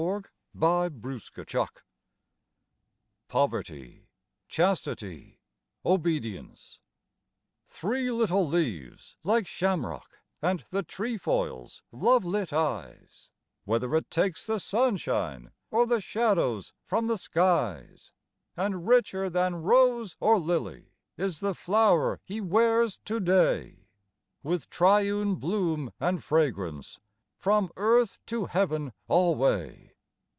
A VOW DAY FLOWER (POVERTY, CHASTITY, OBEDIENCE) Three little leaves like shamrock, And the trefoil's love lit eyes, Whether it takes the sunshine Or the shadows from the skies. And richer than rose or lily Is the flower he wears today, With triune bloom and fragrance From earth to heaven alway.